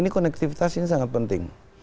konektivitas ini sangat penting